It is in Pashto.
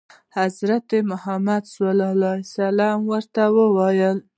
حضرت محمد ورته وايي.